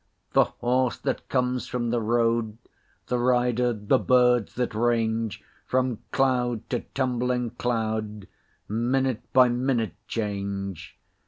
The horse that comes from the road, The rider, the birds that range From cloud to tumbling cloud, Minute by minute change.